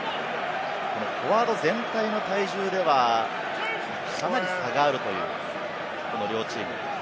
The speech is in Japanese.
このフォワード全体の体重ではかなり差があるという、この両チーム。